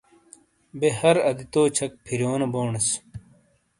بے ہر اَدِتو چھَک فِرِیونو بونیس۔